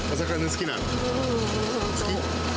好き？